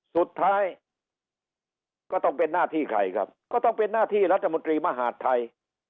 สุดท้ายก็ต้องเป็นหน้าที่ใครครับก็ต้องเป็นหน้าที่รัฐมนตรีมหาดไทย